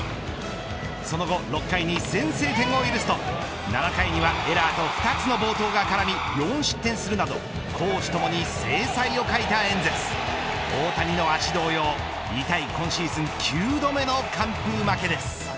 その後６回に先制点を許すと７回にはエラーと２つの暴投が絡み４失点するなど攻守ともに精彩を欠いたエンゼルス大谷の足同様、痛い今シーズン９度目の完封負けです。